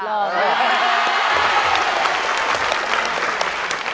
ขอบคุณค่ะ